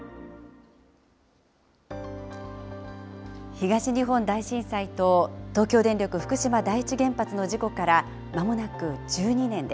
東日本大震災と東京電力福島第一原発の事故からまもなく１２